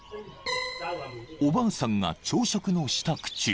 ［おばあさんが朝食の支度中］